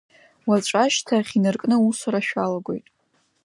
Уаҵәы ашьҭахь инаркны аусура шәалагоит.